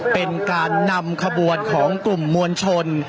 เป็นการนำขบวนของกลุ่มมวลชน